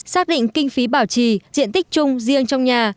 xác định kinh phí bảo trì diện tích chung riêng trong nhà